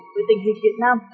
với tình hình việt nam